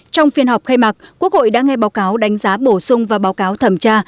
trong phiên họp khai mạc quốc hội đã nghe báo cáo đánh giá bổ sung và báo cáo thẩm tra